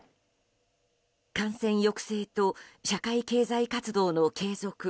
感染抑制と社会経済活動の継続